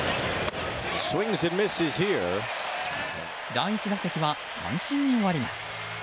第１打席は三振に終わります。